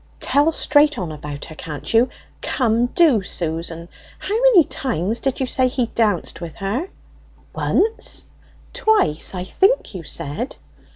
"Tell straight on about her, can't you! Come, do, Susan. How many times did you say he danced with her?" "Once." "Twice, I think you said?"